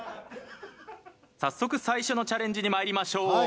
早速最初のチャレンジにまいりましょう。